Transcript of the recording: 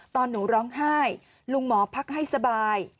ตอนหนูร้องไห้ลุงหมอพักให้สบาย